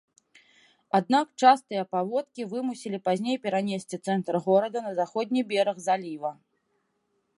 Аднак частыя паводкі вымусілі пазней перанесці цэнтр горада на заходні бераг заліва.